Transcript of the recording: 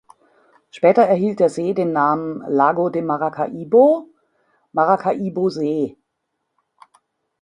Später erhielt der See den Namen "Lago de Maracaibo": „Maracaibo-See“.